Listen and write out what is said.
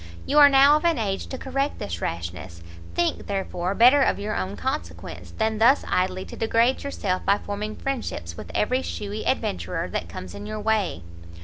You are now of an age to correct this rashness: think, therefore, better of your own consequence, than thus idly to degrade yourself by forming friendships with every shewy adventurer that comes in your way."